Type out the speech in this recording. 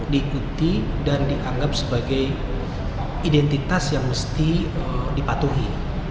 diikuti dan dianggap sebagai identitas yang mesti dipatuhi